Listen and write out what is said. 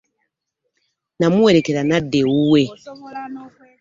Namuwerekera n'adda ewuwe.